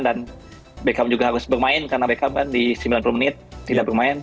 dan bekam juga harus bermain karena bekam kan di sembilan puluh menit tidak bermain